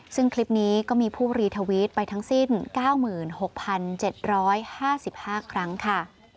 ซึ่งคลิปนี้ก็มีผู้รีทวิตไปทั้งสิ้น๙๖๗๕๕ครั้งค่ะ